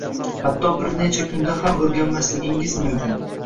Hatto bir necha kunda ham o’rganmasligingiz mumkin